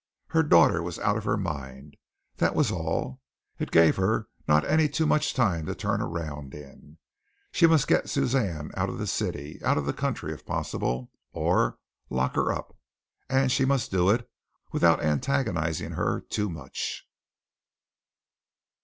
Her daughter was out of her mind, that was all. It gave her not any too much time to turn round in. She must get Suzanne out of the city out of the country, if possible, or lock her up, and she must do it without antagonizing her too much.